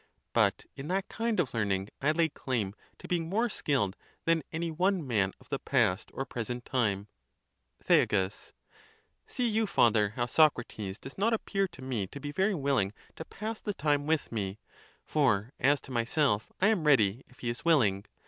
But in that kind of learn ing I lay claim' to being more skilled than any one man of the past or present time. [10.] Zhea. See you, father, how Socrates does not appear to me to be very willing to pass the time with me. For, as to myself, I am ready, if he is willing.